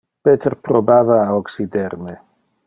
Peter probava a occider me.